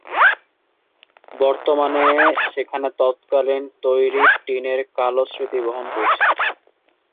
বর্তমানে সেখানে তৎকালীন তৈরি টিনের ঘরটি কালের স্মৃতি বহন করছে।